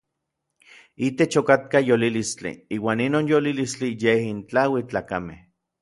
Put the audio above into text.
Itech okatka yolilistli, iuan inon yolilistli yej intlauil n tlakamej.